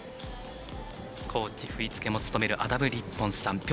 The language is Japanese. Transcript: コーチ、振り付けも務めるアダム・リッポンさん。